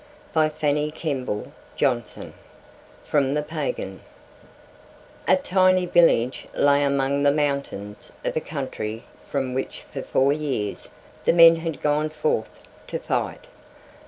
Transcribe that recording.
] BY FANNY KEMBLE JOHNSON From The Pagan A TINY village lay among the mountains of a country from which for four years the men had gone forth to fight.